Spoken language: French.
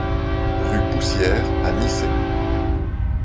Rue Poussière à Nicey